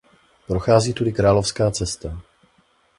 Prochází tudy královská cesta.